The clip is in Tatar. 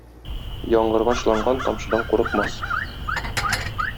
Яңгырга чыланган тамчыдан курыкмас.